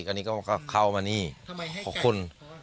อันนี้ก็เข้ามานี่ข้าวขล